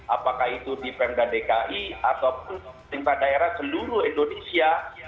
apakah itu di pemda dki ataupun di tingkat daerah seluruh indonesia